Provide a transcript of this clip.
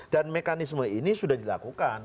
dan mekanisme ini sudah dilakukan